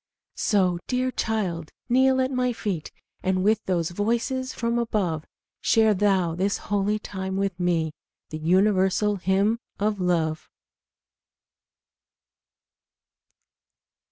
So, dear my child, kneel at my feet, And with those voices from above Share thou this holy time with me, The universal hymn of love.